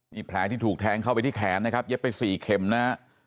นี่แผลที่ถูกแทงเข้าไปที่แขนนะครับเย็บไป๔เข็มนะฮะ